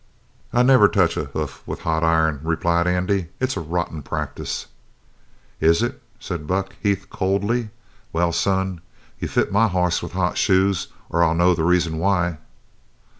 "I never touch a hoof with hot iron," replied Andy. "It's a rotten practice." "Is it?" said Buck Heath coldly. "Well, son, you fit my hoss with hot shoes or I'll know the reason why."